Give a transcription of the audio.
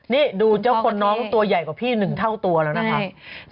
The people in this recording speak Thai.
นี่ดูเจ้าคนน้องตัวใหญ่กว่าพี่๑เท่าตัวแล้วนะครับ